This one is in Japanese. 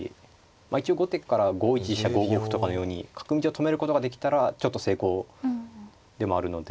まあ一応後手から５一飛車５五歩とかのように角道を止めることができたらちょっと成功でもあるので。